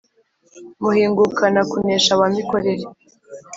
muhingukana-kunesha wa mikore